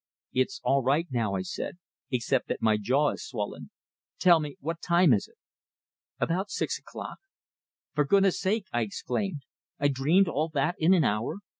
"I'm all right now," I said "except that my jaw is swollen. Tell me, what time is it?" "About six o'clock." "For goodness sake!" I exclaimed. "I dreamed all that in an hour!